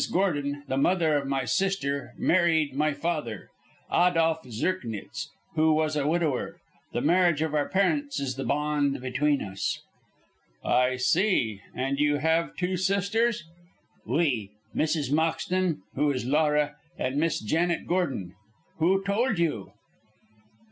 Gordon, the mother of my sister, married my father, Adolph Zirknitz, who was a widower. The marriage of our parents is the bond between us." "I see. And you have two sisters?" "Oui! Mrs. Moxton, who is Laura, and Miss Janet Gordon. Who told you?"